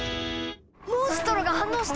モンストロが反応した！